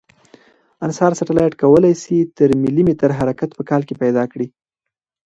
انسار سټلایټ کوای شي تر ملي متر حرکت په کال کې پیدا کړي